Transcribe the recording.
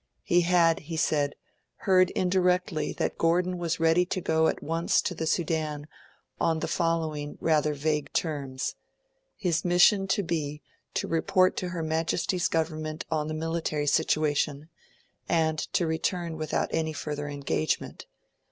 'He had,' he said, 'heard indirectly that Gordon was ready to go at once to the Sudan on the following rather vague terms: His mission to be to report to Her Majesty's Government on the military situation, and to return without any further engagement.